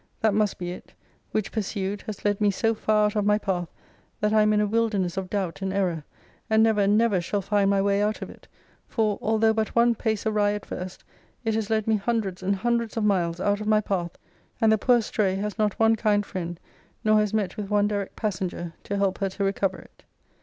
that must be it: which pursued, has led me so far out of my path, that I am in a wilderness of doubt and error; and never, never, shall find my way out of it: for, although but one pace awry at first, it has led me hundreds and hundreds of miles out of my path: and the poor estray has not one kind friend, nor has met with one direct passenger, to help her to recover it.